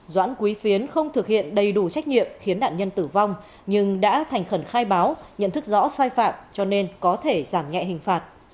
doãn quý phiến không thực hiện đầy đủ trách nhiệm khiến nạn nhân tử vong nhưng đã thành khẩn khai báo nhận thức rõ sai phạm cho nên có thể giảm nhẹ hình phạt